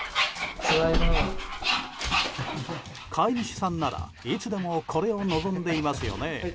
飼い主さんなら、いつでもこれを望んでいますよね。